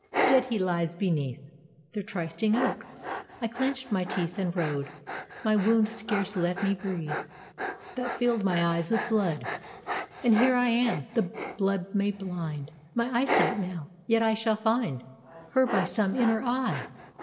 Dead he lies beneath Their trysting oak. I clenched my teeth And rode. My wound scarce let me breathe, That filled my eyes with blood. And here I am. The blood may blind My eyesight now ... yet I shall find Her by some inner eye!